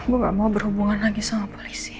gue gak mau berhubungan lagi sama polisi